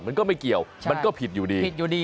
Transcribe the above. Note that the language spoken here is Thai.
มันก็ไม่เกี่ยวมันก็ผิดอยู่ดี